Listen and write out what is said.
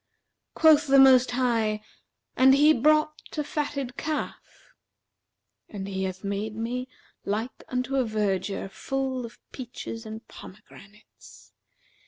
Quoth the Most High, 'And he brought a fatted calf.'[FN#370] And He hath made me like unto a vergier full of peaches and pomegranates.